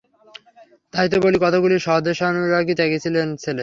তাই তো বলি কতকগুলি স্বদেশানুরাগী ত্যাগী ছেলে চাই।